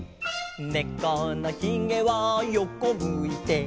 「ねこのひげは横むいて」